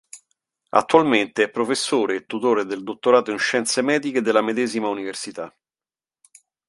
Attualmente è professore e tutore del Dottorato in Scienze Mediche della medesima Università.